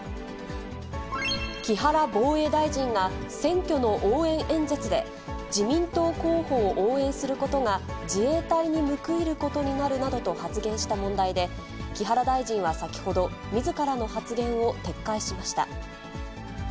木原防衛大臣が選挙の応援演説で、自民党候補を応援することが、自衛隊に報いることになるなどと発言した問題で、木原大臣は先ほど、みずからの発言を撤回しました。